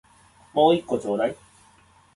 もう一個ちょうだい